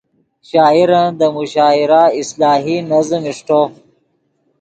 شاعرن دے مشاعرہ اصلاحی نظم اݰٹو